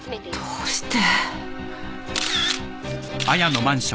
どうして？